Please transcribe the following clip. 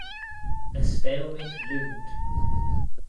A stalemate loomed.